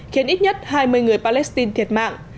khiến ít nhất hai mươi người palestine thiệt mạng